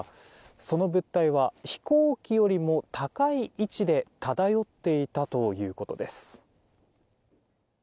その物体は飛行機よりも高い位置で漂っていたということです。